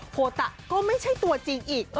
โคตะก็ไม่ใช่ตัวจริงอีก